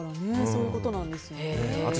そういうことなんでしょうね。